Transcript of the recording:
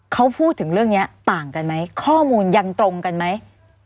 เขาพูดถึงเรื่องนี้ต่างกันไหมข้อมูลยังตรงกันไหม